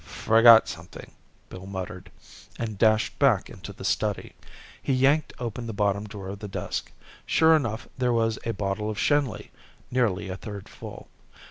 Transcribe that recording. "Forgot something," Bill muttered, and dashed back into the study. He yanked open the bottom drawer of the desk. Sure enough, there was a bottle of Schenley, nearly a third full.